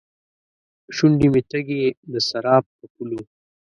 شونډې مې تږې ، دسراب په پولو